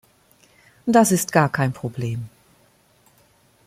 Das ist gar kein Problem.